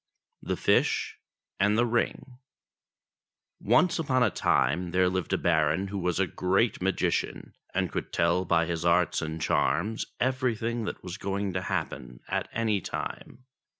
THE FISH AND THE RING ONCE upon a time there lived a Baron who was a great magician, and could tell by his arts and charms everything that was going to happen at any time.